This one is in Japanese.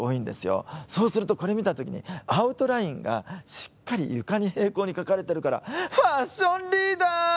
そうすると、これ見た時にアウトラインが、しっかり床に平行に描かれてるからファッションリーダー！